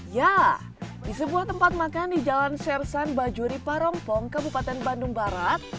ya di sebuah tempat makan di jalan sersan bajuri parongpong kabupaten bandung barat